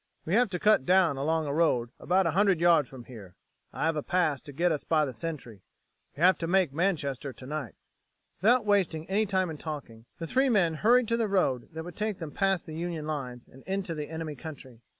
We have to cut down along a road about a hundred yards from here. I have a pass to get us by the Sentry. We have to make Manchester tonight." Without wasting any time in talking, the three men hurried to the road that would take them past the Union lines and into the enemy country.